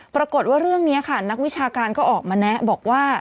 ปรากฏว่าเรื่องนี้ค่ะนักวิชาการก็ออกมาแนะบอกว่า